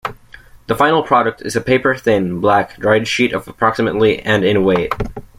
The final product is a paper-thin, black, dried sheet of approximately and in weight.